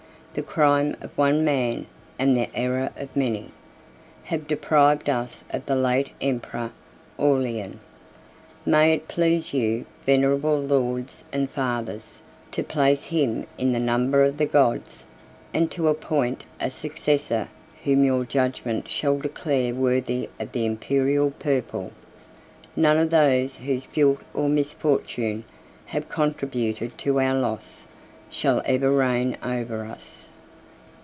—The crime of one man, and the error of many, have deprived us of the late emperor Aurelian. May it please you, venerable lords and fathers! to place him in the number of the gods, and to appoint a successor whom your judgment shall declare worthy of the Imperial purple! None of those whose guilt or misfortune have contributed to our loss, shall ever reign over us."